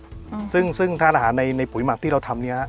อืมซึ่งซึ่งทานอาหารในในปุ๋ยหมักที่เราทำเนี้ยฮะ